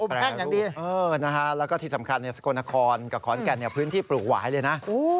แรงอย่างดีแล้วก็ที่สำคัญสกลนครกับขอนแก่นพื้นที่ปลูกหวายเลยนะ